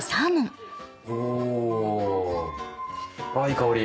おあっいい香り。